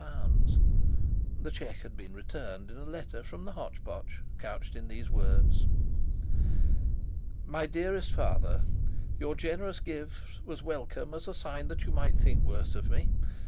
The cheque had been returned in a letter from the "Hotch Potch," couched in these words. "MY DEAREST FATHER, "Your generous gift was welcome as a sign that you might think worse of me.